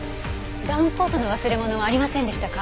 ダウンコートの忘れ物はありませんでしたか？